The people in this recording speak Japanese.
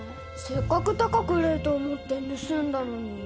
せっかく高く売れると思って盗んだのに。